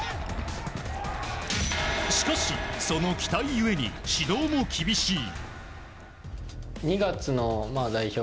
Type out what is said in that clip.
しかし、その期待ゆえに指導も厳しい。